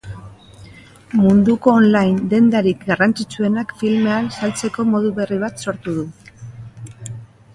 Munduko on-line dendarik garrantzitsuenak filmeak saltzeko modu berri bat sortu du.